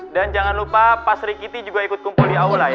dan jangan lupa pasri kitty juga ikut kumpul di aula ya